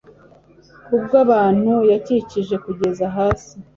ku bw'ubuntu yakijije, kugeza hasi